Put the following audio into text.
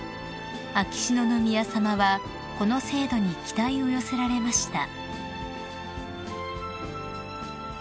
［秋篠宮さまはこの制度に期待を寄せられました］